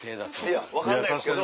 いや分かんないですけど。